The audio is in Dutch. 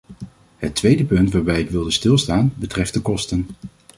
Het tweede punt waarbij ik wilde stilstaan, betreft de kosten.